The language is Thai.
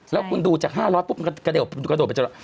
แล้วคุณดูจาก๕ล้อปุ๊บกระโดดไปจริง